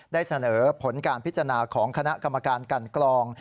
ได้เสนอผลการพิจารณาของคณะกรรมการกันกรอง